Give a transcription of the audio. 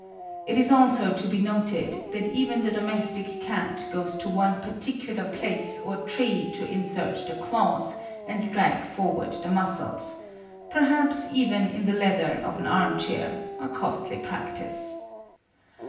It is also to be noted that even the domestic cat goes to one particular place or tree to insert the claws and drag forward the muscles perhaps even in the leather of an arm chair, a costly practice.